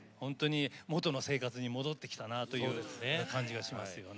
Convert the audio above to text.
本当に元の生活に戻ってきたなという感じがしますよね。